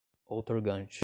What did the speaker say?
outorgante